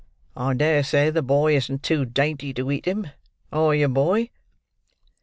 I dare say the boy isn't too dainty to eat 'em—are you, boy?"